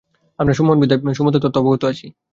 আমরা সম্মোহনবিদ্যার সমুদয় তত্ত্ব অবগত আছি।